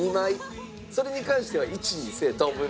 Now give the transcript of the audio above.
それに関しては。